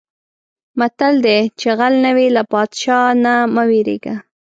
متل دی: چې غل نه وې له پادشاه نه مه وېرېږه.